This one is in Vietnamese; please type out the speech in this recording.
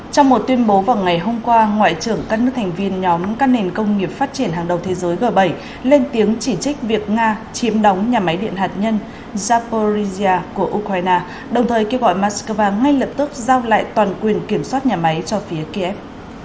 trong một tuyên bố vào ngày hôm qua ngoại trưởng các nước thành viên nhóm các nền công nghiệp phát triển hàng đầu thế giới g bảy lên tiếng chỉ trích việc nga chiếm đóng nhà máy điện hạt nhân zaporizia của ukraine đồng thời kêu gọi moscow ngay lập tức giao lại toàn quyền kiểm soát nhà máy cho phía kiev